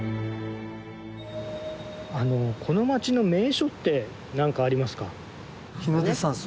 あのこの町の名所ってなんかありますか？